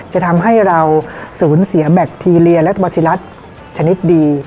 จะทำให้เราสูญเสียแบคทีเรียและบอซิรัสชนิดดี